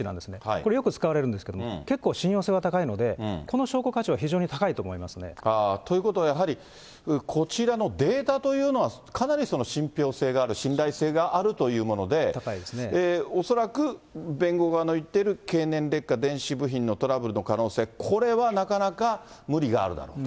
これ、よく使われるんですけれども、結構信用性が高いので、この証拠価値は非常に高いと思いますね。ということはやはり、こちらのデータというのはかなり信ぴょう性がある、信頼性があるというもので、恐らく弁護側の言っている経年劣化、電子部品のトラブルの可能性、これはなかなか無理があるだろうと。